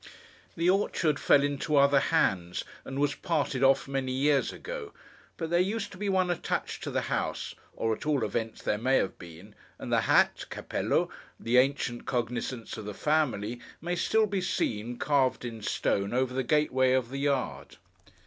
The orchard fell into other hands, and was parted off many years ago; but there used to be one attached to the house—or at all events there may have, been,—and the hat (Cappêllo) the ancient cognizance of the family, may still be seen, carved in stone, over the gateway of the yard.